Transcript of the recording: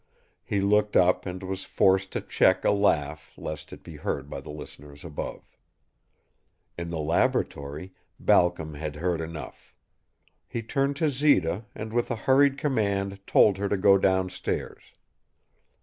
He looked up and was forced to check a laugh lest it be heard by the listeners above. In the laboratory, Balcom had heard enough. He turned to Zita, and with a hurried command told her to go down stairs.